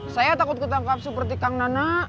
saya takut ketangkap seperti kang nana